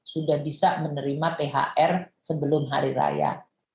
sudah bisa menerima thr sebelum hari raya